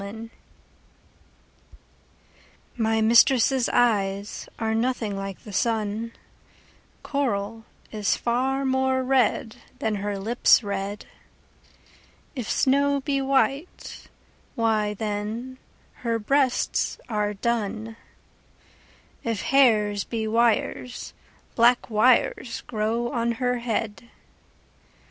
CXXX My mistress' eyes are nothing like the sun; Coral is far more red, than her lips red: If snow be white, why then her breasts are dun; If hairs be wires, black wires grow on her head.